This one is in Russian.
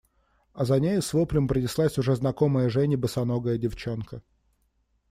А за нею с воплем пронеслась уже знакомая Жене босоногая девчонка.